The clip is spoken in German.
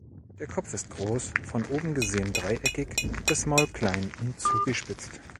Der Kopf ist groß, von oben gesehen dreieckig, das Maul klein und zugespitzt.